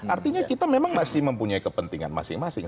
artinya kita memang masih mempunyai kepentingan masing masing